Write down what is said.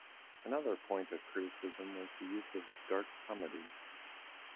Another point of criticism was the use of dark comedy.